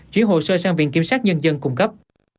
chuyển hồ sơ sang viện kiểm sát nhân dân cung cấp